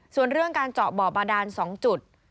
ส่วนเรื่องการเจาะบ่อบาดาน๒จุด